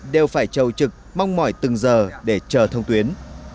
đều phải châu trực mong mỏi từng giờ để chờ thông tuyến